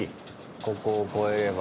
ここを越えれば。